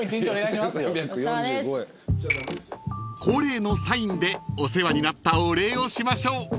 ［恒例のサインでお世話になったお礼をしましょう］